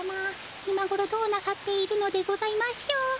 今ごろどうなさっているのでございましょう。